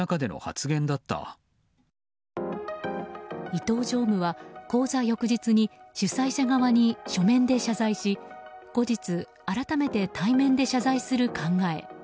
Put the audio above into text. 伊東常務は講座翌日に主催者側に書面で謝罪し、後日改めて対面で謝罪する考え。